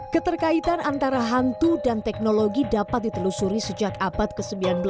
keterkaitan antara hantu dan teknologi dapat ditelusuri sejak abad ke sembilan belas